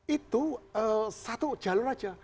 itu satu jalur aja